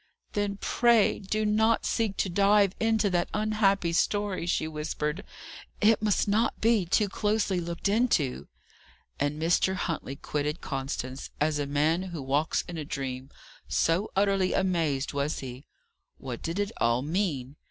"Then pray do not seek to dive into that unhappy story," she whispered. "It must not be too closely looked into." And Mr. Huntley quitted Constance, as a man who walks in a dream, so utterly amazed was he. What did it all mean?